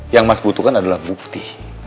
yang mas butuhkan adalah bukti